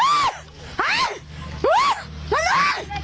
ด้วยอันนี้